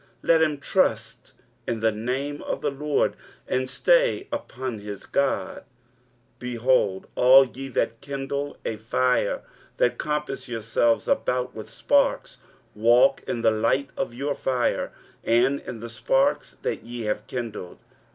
let him trust in the name of the LORD, and stay upon his God. 23:050:011 Behold, all ye that kindle a fire, that compass yourselves about with sparks: walk in the light of your fire, and in the sparks that ye have kindled.